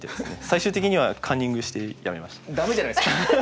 最終的にはカンニングしてやめました。